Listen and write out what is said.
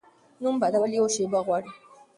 نوم بدول یوه شیبه غواړي.